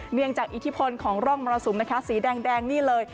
เนื่องจากอิทธิพลของร่องมรสุมนะคะสีแดงนี่เลย